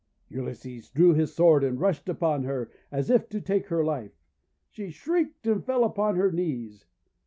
Ulysses drew his sword and rushed upon her, as if to take her life. She shrieked and fell upon her knees.